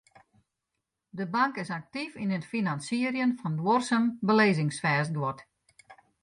De bank is aktyf yn it finansierjen fan duorsum belizzingsfêstguod.